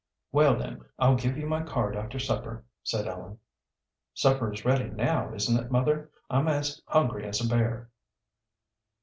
"Well, then, I'll give you my card after supper," said Ellen. "Supper is ready now, isn't it, mother? I'm as hungry as a bear."